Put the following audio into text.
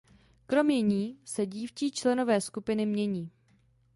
Kromě ní se dívčí členové skupiny mění.